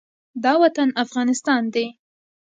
دا وطن افغانستان دی،